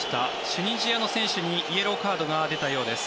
チュニジアの選手にイエローカードが出たようです。